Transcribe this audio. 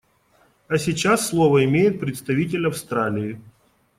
А сейчас слово имеет представитель Австралии.